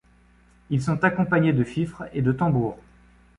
Ils sont accompagnés de fifres et de tambours.